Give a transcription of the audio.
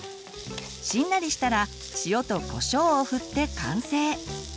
しんなりしたら塩とこしょうをふって完成。